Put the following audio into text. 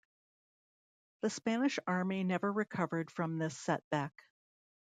The Spanish army never recovered from this setback.